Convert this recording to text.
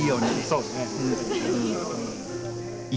そうですね。